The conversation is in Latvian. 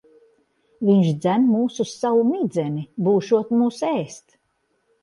Viņš dzen mūs uz savu midzeni. Būšot mūs ēst.